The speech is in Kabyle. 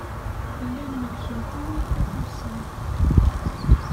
Llan melken-ten yifatusen.